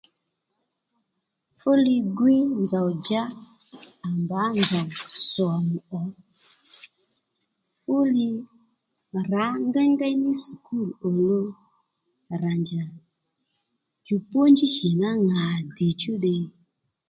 Fúli gwíy nzòw djá à mbǎ nzòw sòmù ò fuli rǎ ngéyngéy ní sùkùl òluw rà njà jùpónjí shì ná ŋà dìchú ddiy